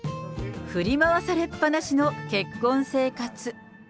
振り回されっぱなしの結婚生活。